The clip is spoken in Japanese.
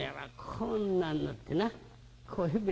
こんなんなって。